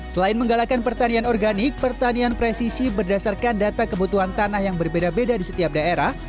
selain menggalakkan pertanian organik pertanian presisi berdasarkan data kebutuhan tanah yang berbeda beda di setiap daerah